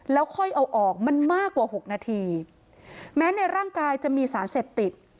แล้วค่อยเอาออกมันมากกว่าหกนาทีแม้ในร่างกายจะมีสารเสพติด